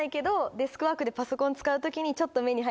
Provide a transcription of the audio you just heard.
デスクワークでパソコン使う時にちょっと。